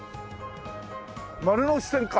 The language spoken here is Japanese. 丸ノ内線か。